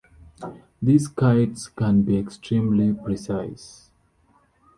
These kites can be extremely precise.